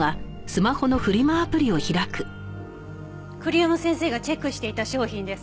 栗山先生がチェックしていた商品です。